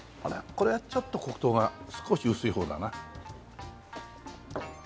これはちょっと黒糖が少し薄い方だな。